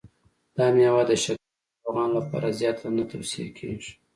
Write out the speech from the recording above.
دا مېوه د شکرې ناروغانو لپاره زیاته نه توصیه کېږي.